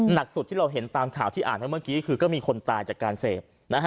หนักสุดที่เราเห็นตามข่าวที่อ่านไว้เมื่อกี้คือก็มีคนตายจากการเสพ